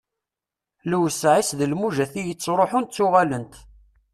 Lewseɛ-is d lmujat i ittruḥun ttuɣalent.